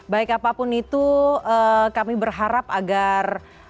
baik apapun itu kami berharap agar